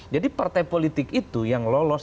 jadi partai politik itu yang lolos